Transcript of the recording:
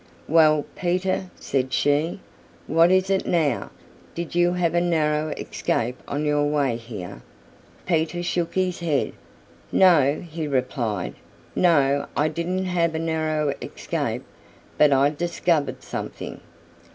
"Well, Peter," said she. "What is it now? Did you have a narrow escape on your way here?" Peter shook his head. "No," he replied. "No, I didn't have a narrow escape, but I discovered something."